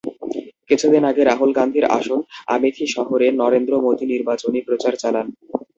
কিছুদিন আগে রাহুল গান্ধীর আসন আমেথি শহরে নরেন্দ্র মোদি নির্বাচনি প্রচার চালান।